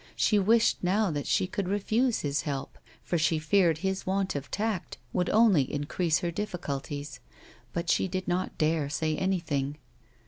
She wished, now, that she could refuse his help, for she feared his want of tact would only increase her difficulties, but she did not dare say any thing.